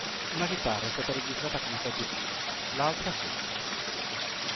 Una chitarra è stata registrata con effetti fuzz, l'altra senza.